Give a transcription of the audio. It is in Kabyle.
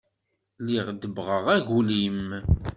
Lliɣ debbɣeɣ aglim.